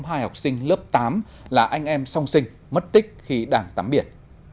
hai học sinh lớp tám là anh em song sinh mất tích khi đang tắm biển